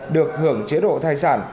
được hưởng chế độ thai sản